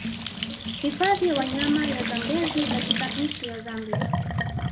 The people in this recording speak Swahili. Hifadhi ya wanyama ya Zambezi katika nchi ya Zambia